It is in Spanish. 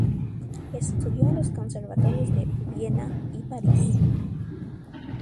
Estudió en los conservatorios de Viena y París.